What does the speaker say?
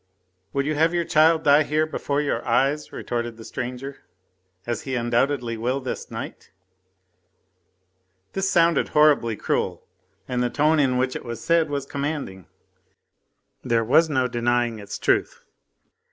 "Would you have your child die here before your eyes," retorted the stranger, "as he undoubtedly will this night?" This sounded horribly cruel, and the tone in which it was said was commanding. There was no denying its truth.